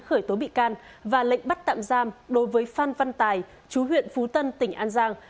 khởi tố bị can và lệnh bắt tạm giam đối với phan văn tài chú huyện phú tân tỉnh an giang